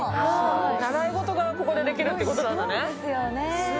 習い事がここでできるってことなんだね。